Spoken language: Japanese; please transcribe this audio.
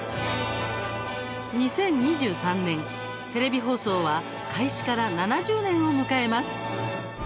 ２０２３年、テレビ放送は開始から７０年を迎えます。